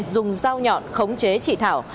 dùng dao nhọn khống chế chị thảo